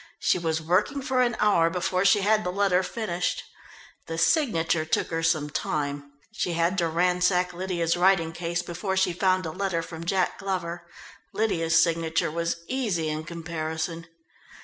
She was working for an hour before she had the letter finished. The signature took her some time. She had to ransack Lydia's writing case before she found a letter from Jack Glover Lydia's signature was easy in comparison.